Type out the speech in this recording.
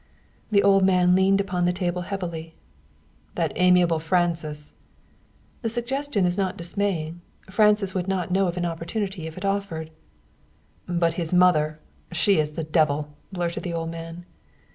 The old man leaned upon the table heavily. "That amiable Francis " "The suggestion is not dismaying. Francis would not know an opportunity if it offered." "But his mother she is the devil!" blurted the old man.